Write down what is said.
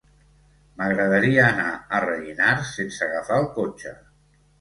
M'agradaria anar a Rellinars sense agafar el cotxe.